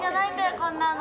こんなの。